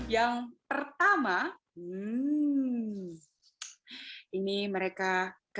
dadah atika selamat ya